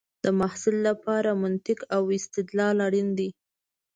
د محصل لپاره منطق او استدلال اړین دی.